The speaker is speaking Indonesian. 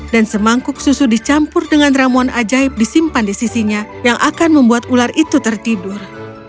dan semangkuk susu dicampur dengan ramuan ajaib disimpan di sisinya yang akan membuat ular itu tertidur